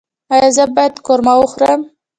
ایا زه باید قورمه وخورم؟